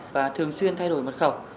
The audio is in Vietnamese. và thường xuyên thay đổi mật khẩu